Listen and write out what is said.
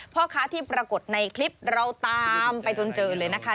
พ่อค้าที่ปรากฏในคลิปเราตามไปจนเจอเลยนะคะ